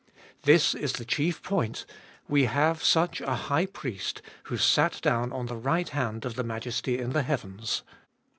This is the chief point : we have such a High Priest, who sat down on the right hand of the majesty in the heavens.